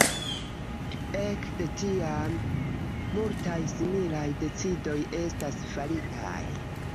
Ekde tiam, multaj similaj decidoj estas faritaj.